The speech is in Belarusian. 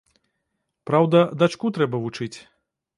Праўда, дачку трэба вучыць.